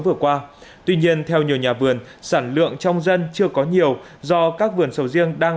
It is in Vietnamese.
vừa qua tuy nhiên theo nhiều nhà vườn sản lượng trong dân chưa có nhiều do các vườn sầu riêng đang